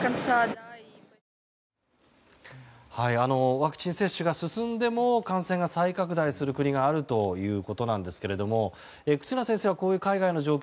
ワクチン接種が進んでも感染が再拡大する国があるということなんですけれども忽那先生はこういう海外の状況